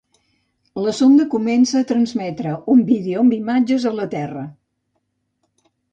La sonda comença a transmetre un vídeo amb imatges a la Terra.